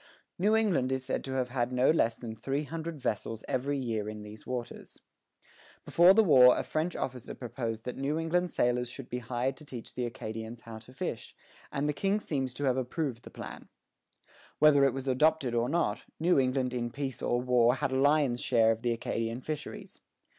New England is said to have had no less than three hundred vessels every year in these waters. Before the war a French officer proposed that New England sailors should be hired to teach the Acadians how to fish, and the King seems to have approved the plan. Whether it was adopted or not, New England in peace or war had a lion's share of the Acadian fisheries.